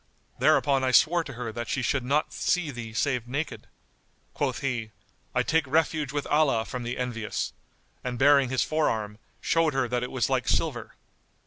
Thereupon I swore to her that she should not see thee save naked." Quoth he, "I take refuge with Allah from the envious," and baring his forearm, showed her that it was like silver.